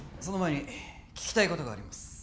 その前に聞きたいことがあります